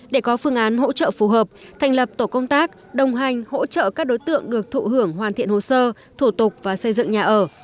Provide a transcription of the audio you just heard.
để có phương án hỗ trợ phù hợp thành lập tổ công tác đồng hành hỗ trợ các đối tượng được thụ hưởng hoàn thiện hồ sơ thủ tục và xây dựng nhà ở